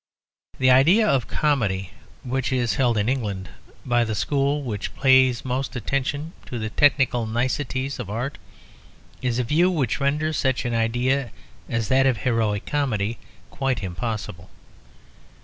The idea of comedy which is held in England by the school which pays most attention to the technical niceties of art is a view which renders such an idea as that of heroic comedy quite impossible.